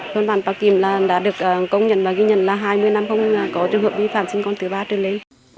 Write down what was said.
thôn ban pà kìm đã được công nhận và ghi nhận là hai mươi năm không có trường hợp vi phản sinh con thứ ba trường lý